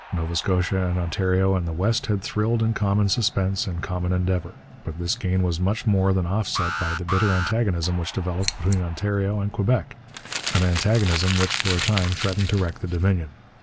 Nova Scotia and Ontario and the West had thrilled in common suspense and common endeavour. But this gain was much more than offset by the bitter antagonism which developed between Ontario and Quebec, an antagonism which for a time threatened to wreck the Dominion.